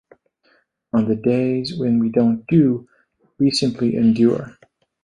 On the days when we don't do, we simply endure.